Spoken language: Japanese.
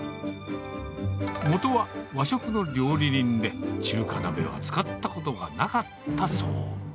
もとは和食の料理人で、中華鍋は使ったことがなかったそう。